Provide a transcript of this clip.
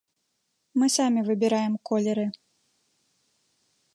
Мы самі выбіраем колеры.